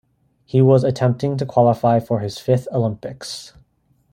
He was attempting to qualify for his fifth Olympics.